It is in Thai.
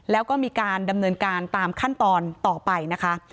แล้วก็มีการดำเนินการตามขั้นตอนต่อไปนะคะ